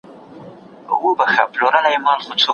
که غر وي نو لمر نه پټیږي.